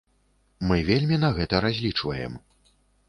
Мы вельмі на гэта разлічваем.